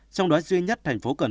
trong đó duy nhất tp cn ở cấp độ một